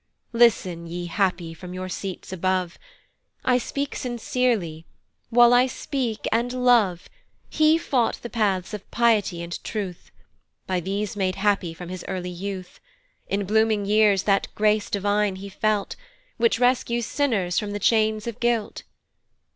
"Listen, ye happy, from your seats above. "I speak sincerely, while I speak and love, "He sought the paths of piety and truth, "By these made happy from his early youth; "In blooming years that grace divine he felt, "Which rescues sinners from the chains of guilt.